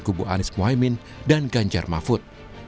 kubu anies mohaimin dan ganjar mafud